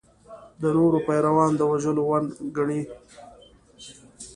د نورو پیروان د وژلو وړ ګڼي.